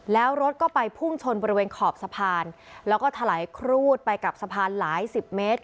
แล้วรถก็ไปพุ่งชนบริเวณขอบสะพานแล้วก็ถลายครูดไปกับสะพานหลายสิบเมตร